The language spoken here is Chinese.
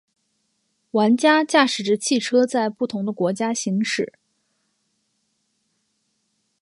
玩家驾驶着汽车在不同的国家行驶。